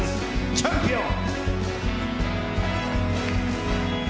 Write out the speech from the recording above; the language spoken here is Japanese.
チャンピオン。